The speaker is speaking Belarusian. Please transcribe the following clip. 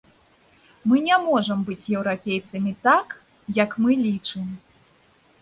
Мы не можам быць еўрапейцамі так, як мы лічым.